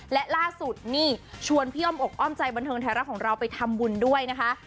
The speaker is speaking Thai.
และล่าสุดนี่ชวนพี่อ้อมอกอ้อมใจบันเทิงไทยรัฐของเราไปทำบุญด้วยนะคะ